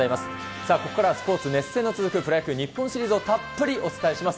さあ、ここからはスポーツ、熱戦の続くプロ野球日本シリーズをたっぷりお伝えします。